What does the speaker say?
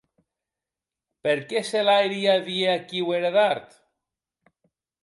Per qué se la harie a vier aquiu er edart?